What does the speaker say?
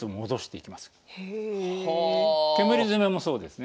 煙詰もそうですね。